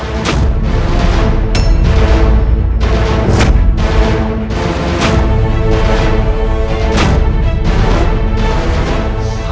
aku akan mencari bocah itu